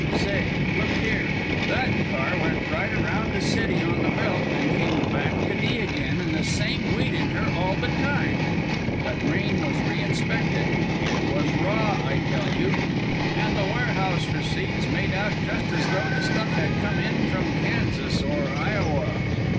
Say, look here, that car went right around the city on the Belt, and came back to D again, and the same wheat in her all the time. The grain was reinspected it was raw, I tell you and the warehouse receipts made out just as though the stuff had come in from Kansas or Iowa."